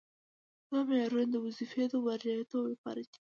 دا معیارونه د وظیفې د بریالیتوب لپاره دي.